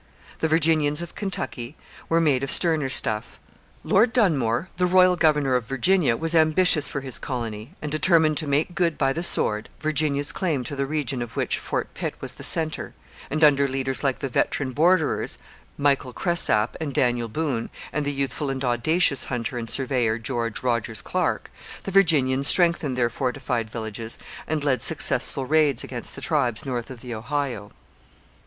The Virginians of Kentucky were made of sterner stuff. Lord Dunmore, the royal governor of Virginia, was ambitious for his colony, and determined to make good by the sword Virginia's claim to the region of which Fort Pitt was the centre; and, under leaders like the veteran borderers, Michael Cresap and Daniel Boone, and the youthful and audacious hunter and surveyor, George Rogers Clark, the Virginians strengthened their fortified villages and led successful raids against the tribes north of the Ohio.